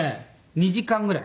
２時間ぐらい？